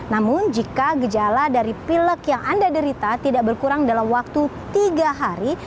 namun jika gejala dari pilek yang anda derita tidak berkurang dalam waktu tiga hari